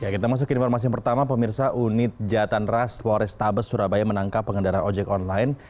kita masuk ke informasi yang pertama pemirsa unit jatan ras polrestabes surabaya menangkap pengendara ojek online